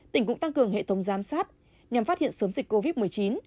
tỉnh cũng tăng cường hệ thống giám sát nhằm phát hiện sớm dịch covid một mươi chín